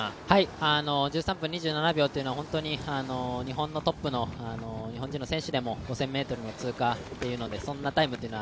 １３分２７秒というのは日本のトップの日本人の選手でも５０００ｍの通過でそんなタイムは